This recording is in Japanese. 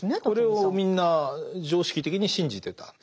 これをみんな常識的に信じてた。